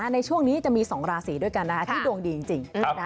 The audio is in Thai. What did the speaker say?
ในช่วงนี้จะมี๒ราศีด้วยกันที่ดวงดีจริง